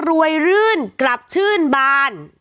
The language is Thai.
รวยรื่นกลับชื่นบาน